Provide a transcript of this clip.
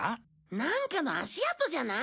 なんかの足跡じゃない？